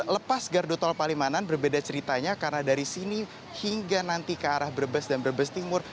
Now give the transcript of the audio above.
lepas gardu tol palimanan berbeda ceritanya karena dari sini hingga nanti ke arah brebes dan brebes timur